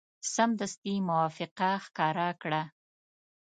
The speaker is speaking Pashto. سمدستي موافقه ښکاره کړه.